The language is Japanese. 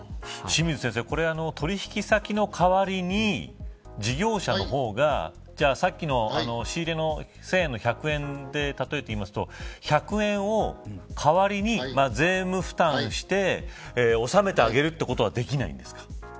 清水先生、取引先の代わりに事業者の方がさっきの仕入れ値の１０００円の１００円で例えていうと１００円を代わりに税務負担して納めてあげるということはできないんですか。